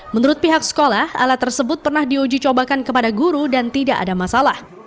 menurut pihak sekolah alat tersebut pernah diuji cobakan kepada guru dan tidak ada masalah